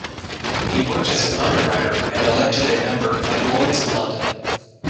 He worked as an underwriter and elected a member at Lloyd's of London.